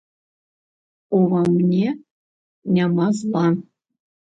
Ува мне няма зла.